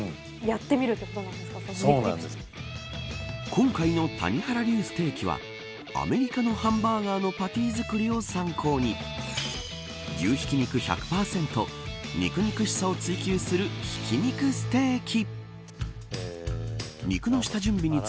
今回の谷原流ステーキはアメリカのハンバーガーのパティ作りを参考に牛ひき肉１００％肉々しさを追求するひき肉ステーキ。